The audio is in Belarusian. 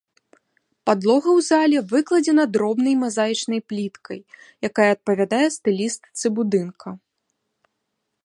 Падлога ў зале выкладзена дробнай мазаічнай пліткай, якая адпавядае стылістыцы будынка.